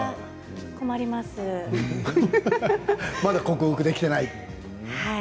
まだ克服できていない。